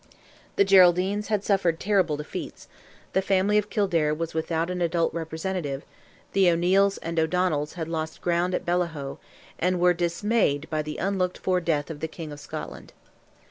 The Geraldines had suffered terrible defeats; the family of Kildare was without an adult representative; the O'Neils and O'Donnells had lost ground at Bellahoe, and were dismayed by the unlooked for death of the King of Scotland.